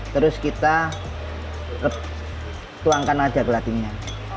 terus kita tuangkan aja gelatinnya